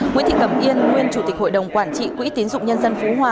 nguyễn thị cẩm yên nguyên chủ tịch hội đồng quản trị quỹ tiến dụng nhân dân phú hòa